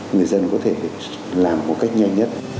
người dân có thể làm một cách nhanh nhất